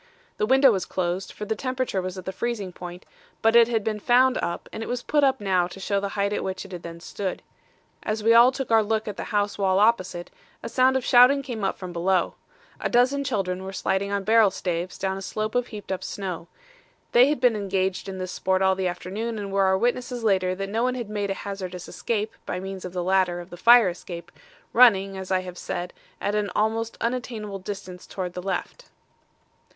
The window was closed, for the temperature was at the freezing point, but it had been found up, and it was put up now to show the height at which it had then stood. As we all took our look at the house wall opposite, a sound of shouting came up from below. A dozen children were sliding on barrel staves down a slope of heaped up snow. They had been engaged in this sport all the afternoon and were our witnesses later that no one had made a hazardous escape by means of the ladder of the fire escape, running, as I have said, at an almost unattainable distance towards the left.